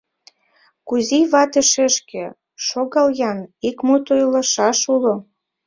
Кузий вате шешке, шогал-ян, ик мут ойлышаш уло...